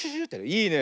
いいね。